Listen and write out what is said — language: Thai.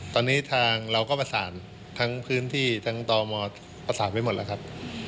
ตอนนี้ทางเราก็ประสานทั้งพื้นที่ทั้งตมประสานไปหมดแล้วครับ